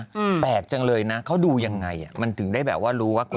อืมแปลกจังเลยน่ะเขาดูยังไงอ่ะมันถึงได้แบบว่ารู้ว่ากว่าคนไหน